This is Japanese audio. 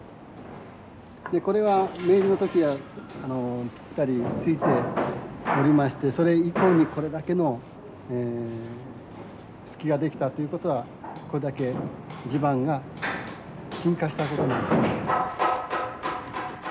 でこれは明治の時はぴったりついておりましてそれ以降にこれだけのええ隙が出来たということはこれだけ地盤が沈下したことになります。